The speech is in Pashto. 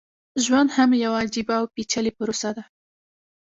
ژوند هم يوه عجيبه او پېچلې پروسه ده.